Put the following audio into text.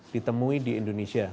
ditemui di indonesia